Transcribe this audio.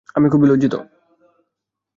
আমি খুবই লজ্জিত।